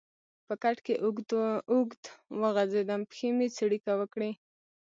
په کټ کې اوږد اوږد وغځېدم، پښې مې څړیکه وکړې.